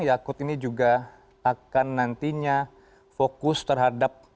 yakut ini juga akan nantinya fokus terhadap